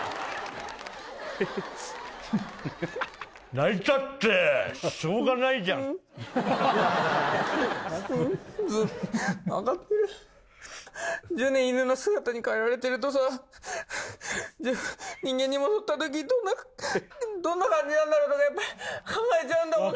泣いたってしょうがないじゃん分かってる１０年犬の姿に変えられてるとさ人間に戻った時どんなどんな感じなんだろうとかって考えちゃうんだもん